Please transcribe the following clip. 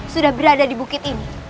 sudah berada di bukit ini